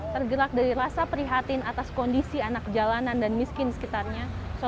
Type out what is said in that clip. tergerak dari rasa prihatin atas kondisi anak jalanan dan miskin sekitarnya